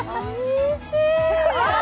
おいしい！